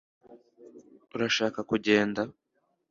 urashaka kugenda